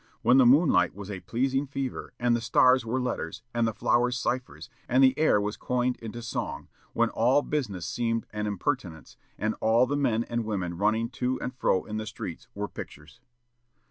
when the moonlight was a pleasing fever, and the stars were letters, and the flowers ciphers, and the air was coined into song; when all business seemed an impertinence, and all the men and women running to and fro in the streets were pictures."